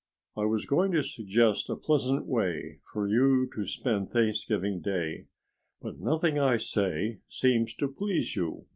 I was going to suggest a pleasant way for you to spend Thanksgiving Day. But nothing I say seems to please you.